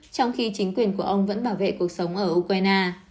trong khi chính quyền của ông vẫn bảo vệ cuộc sống ở ukraine